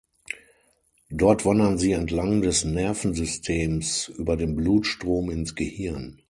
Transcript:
Dort wandern sie entlang des Nervensystems über den Blutstrom ins Gehirn.